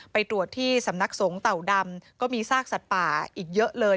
ไปตรวจที่สำนักสงฆ์เต่าดำก็มีซากสัตว์ป่าอีกเยอะเลย